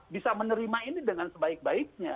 bisa menerima ini dengan sebaik baiknya